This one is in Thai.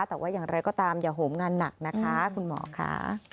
แต่ว่าอย่างไรก็ตามอย่าโหมงานหนักนะคะคุณหมอค่ะ